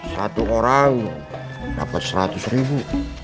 satu orang dapat seratus ribu